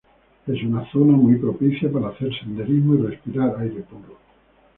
Es una zona muy propicia para hacer senderismo y respirar aire puro.